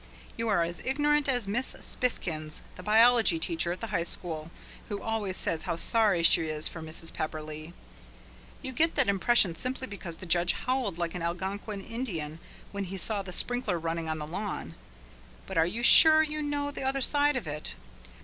You are as ignorant as Miss Spiffkins, the biology teacher at the high school, who always says how sorry she is for Mrs. Pepperleigh. You get that impression simply because the judge howled like an Algonquin Indian when he saw the sprinkler running on the lawn. But are you sure you know the other side of it?